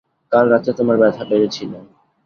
কাল রাত্রে তোমার ব্যথা বেড়েছিল।